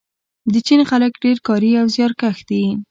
د چین خلک ډیر کاري او زیارکښ دي.